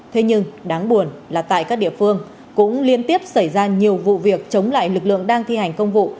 thế nhưng đáng buồn là tại các địa phương cũng liên tiếp xảy ra nhiều vụ việc chống lại lực lượng đang thi hành công vụ